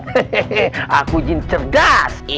hehehe aku jin cerdas